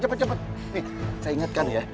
nih saya ingatkan ya